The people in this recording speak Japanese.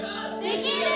できる！